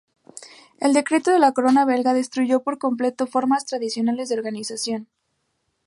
El decreto de la corona belga destruyó por completo estas formas tradicionales de organización.